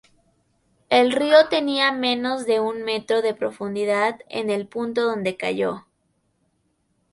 El río tenía menos de un metro de profundidad en el punto donde cayó.